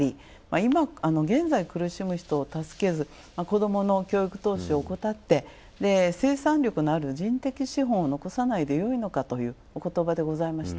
今、現在苦しむ人を助けず子どもの教育投資を怠って、生産力のある人的手法を残さずによいのかという言葉でした。